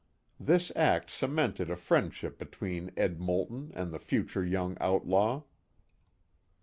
This act cemented a friendship between Ed. Moulton and the future young outlaw.